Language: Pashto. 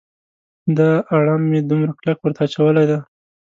دا اړم مې دومره کلک ورته اچولی دی.